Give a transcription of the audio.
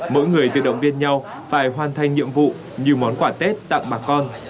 mỗi người tự động viên nhau phải hoàn thành nhiệm vụ như món quà tết tặng bà con